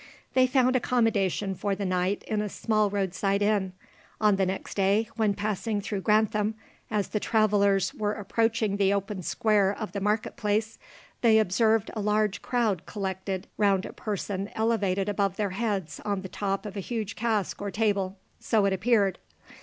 They found accommodation for the night in a small roadside inn. On the next day, when passing through Grantham, as the travellers were approaching the open square of the market place, they observed a large crowd collected round a person elevated above their heads on the top of a huge cask or table, so it appeared.